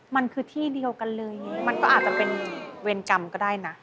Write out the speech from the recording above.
มันคือที่เดียวกันเลยอย่างนี้มันก็อาจจะเป็นเวรกรรมก็ได้นะ